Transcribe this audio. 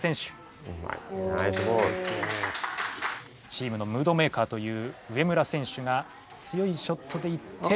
チームのムードメーカーという植村選手が強いショットでいって。